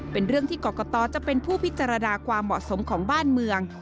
เป็นเรื่องที่กรกตจะเป็นผู้พิจารณาความเหมาะสมของบ้านเมือง